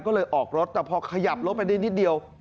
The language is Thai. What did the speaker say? ก็เลยออกรถแต่พอขยับรถไปได้นิดเดียว